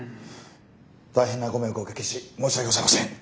大変なご迷惑をおかけし申し訳ございません。